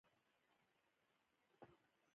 څو ډوله نومځري پيژنئ.